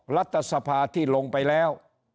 รัฐสภาที่ลงไปแล้ว